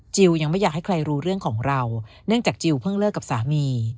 ยังไม่อยากให้ใครรู้เรื่องของเราเนื่องจากจิลเพิ่งเลิกกับสามี